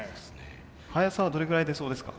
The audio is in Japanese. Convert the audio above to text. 速さはどれぐらい出そうですか？